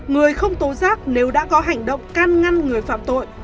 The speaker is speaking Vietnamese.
ba người không tối giác nếu đã có hành động can ngăn người phạm tội